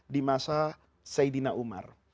di masa saidina umar